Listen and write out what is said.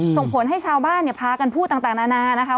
ส่งผลให้ชาวบ้านพากันพูดต่างนานา